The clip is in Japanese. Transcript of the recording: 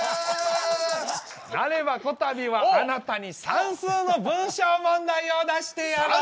なればこたびはあなたに算数の文章問題を出してやろう。